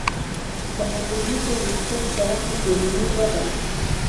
د انډومیټریوسس د رحم بیروني وده ده.